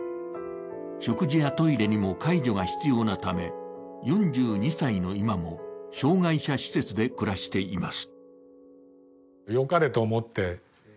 食事やトイレにも介助が必要なため、４２歳の今も、障害者施設で暮らしています。